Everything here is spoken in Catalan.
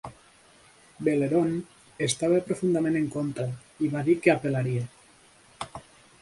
Veleron estava profundament en contra i va dir que apel·laria.